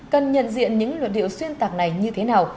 cần nhận diện những luận điệu xuyên tạc này như thế nào